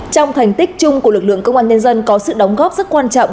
trong thành tích chung của lực lượng công an nhân dân có sự đóng góp rất quan trọng